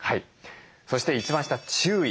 そして一番下「注意」。